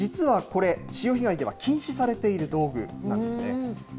実はこれ、潮干狩りでは禁止されている道具なんですね。